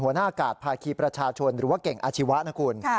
หน้ากาศภาคีประชาชนหรือว่าเก่งอาชีวะนะคุณ